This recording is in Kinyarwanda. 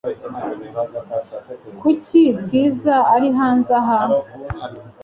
Kuki Bwiza ari hanze aha?